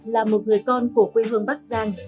là một người con của quê hương bắc giang